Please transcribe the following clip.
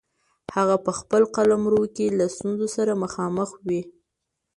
هغه په خپل قلمرو کې له ستونزو سره مخامخ وي.